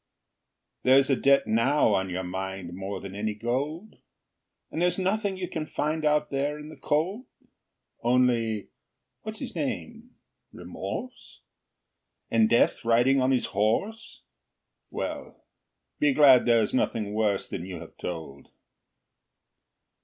There's a debt now on your mind More than any gold? And there's nothing you can find Out there in the cold? Only what's his name? Remorse? And Death riding on his horse? Well, be glad there's nothing worse Than you have told.